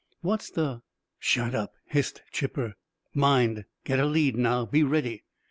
"What's the " "Shut up!" hissed Chipper. "Mind! Get a lead now! Be ready!"